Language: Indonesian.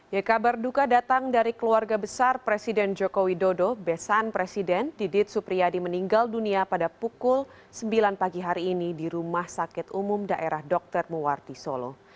ya kabar duka datang dari keluarga besar presiden joko widodo besan presiden didit supriyadi meninggal dunia pada pukul sembilan pagi hari ini di rumah sakit umum daerah dr muwarti solo